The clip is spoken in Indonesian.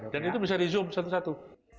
dan itu bisa di zoom satu satu